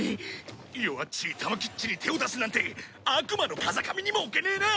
弱っちい玉置っちに手を出すなんて悪魔の風上にも置けねえな！